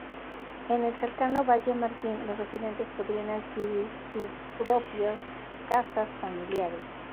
En el cercano Valle Martin, los residentes podrían adquirir su propios casas familiares.